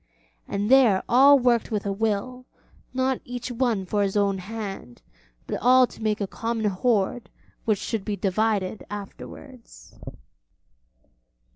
And there all worked with a will, not each one for his own hand, but all to make a common hoard which should be divided afterwards.